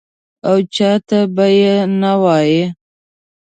او چا ته به یې نه وایې.